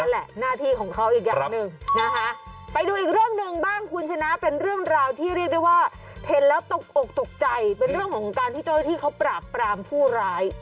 ระวังเอาไว้มันอยู่นี่ก็จะเกิดมันโมโหเข้ามา